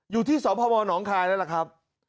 อยู่ที่สอปธมศหนองคลายแล้วนะครับ